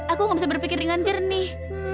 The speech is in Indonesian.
aku gak bisa berpikir dengan jernih